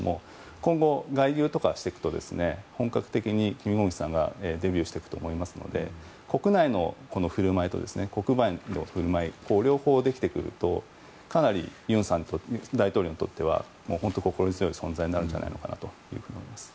今後、外遊とかしていくと本格的にキム・ゴンヒさんがデビューすると思いますので国内の振る舞いと国外の振る舞い両方できてくるとかなり尹大統領にとっては心強い存在になると思います。